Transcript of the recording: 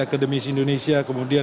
akademisi indonesia kemudian